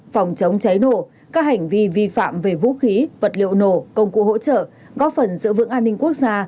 phòng chống cháy nổ các hành vi vi phạm về vũ khí vật liệu nổ công cụ hỗ trợ góp phần giữ vững an ninh quốc gia